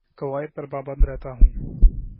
قوائد پر پابند رہتا ہوں